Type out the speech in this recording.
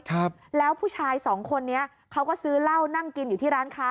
ครับแล้วผู้ชายสองคนนี้เขาก็ซื้อเหล้านั่งกินอยู่ที่ร้านค้า